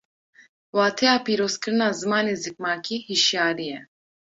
Wateya pîrozkirina zimanê zikmakî hîşyarî ye